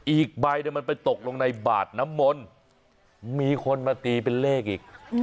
อีกใบมันไปตกลงในบาดน้ำมนต์มีคนมาตีเป็นเลขอีก